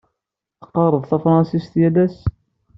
Teqqared tafṛensist yal ass?